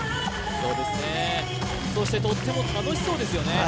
そうですねそしてとっても楽しそうですよね